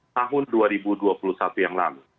tahun dua ribu dua puluh satu yang lalu